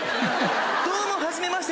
どうもはじめまして。